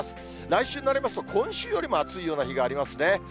来週になりますと、今週よりも暑いような日がありますね。